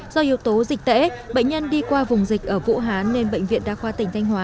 do yếu tố dịch tễ bệnh nhân đi qua vùng dịch ở vũ hán nên bệnh viện đa khoa tỉnh thanh hóa